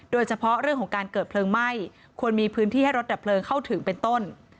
โดยเฉพาะเรื่องของการเกิดเพลิงไหม้ควรมีพื้นที่ให้รถดับเพลิงเข้าถึงเป็นต้น